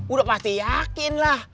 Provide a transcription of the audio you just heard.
udah pasti yakin lah